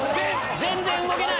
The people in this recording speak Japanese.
全然動けない！